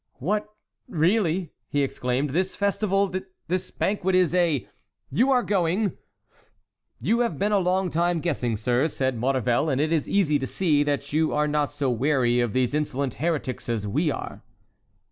"What, really," he exclaimed, "this festival—this banquet is a—you are going"— "You have been a long time guessing, sir," said Maurevel, "and it is easy to see that you are not so weary of these insolent heretics as we are."